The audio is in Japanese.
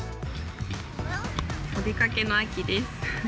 お出かけの秋です。